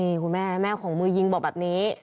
นี่คุณแม่แม่ของมือยิงบอกแบบนี้